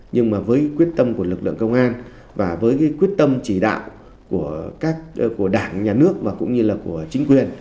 nhưng mà với quyết tâm của lực lượng công an và với cái quyết tâm chỉ đạo của đảng nhà nước và cũng như là của chính quyền